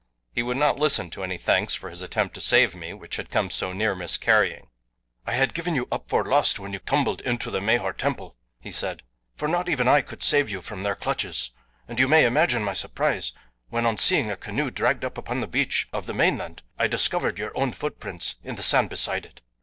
He would not listen to any thanks for his attempt to save me, which had come so near miscarrying. "I had given you up for lost when you tumbled into the Mahar temple," he said, "for not even I could save you from their clutches, and you may imagine my surprise when on seeing a canoe dragged up upon the beach of the mainland I discovered your own footprints in the sand beside it.